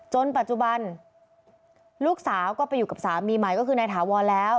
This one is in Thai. ปัจจุบันลูกสาวก็ไปอยู่กับสามีใหม่ก็คือนายถาวรแล้ว